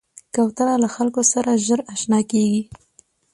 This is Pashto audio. کوتره له خلکو سره ژر اشنا کېږي.